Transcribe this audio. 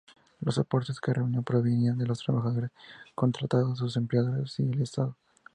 Los aportes que reunía provenían de los trabajadores contratados, sus empleadores y el Estado.